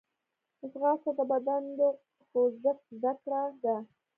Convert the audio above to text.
ځغاسته د بدن د خوځښت زدهکړه ده